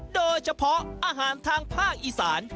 โดยเฉพาะอาหารทางภาคอีสาน